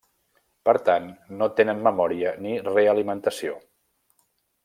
Per tant, no tenen memòria ni realimentació.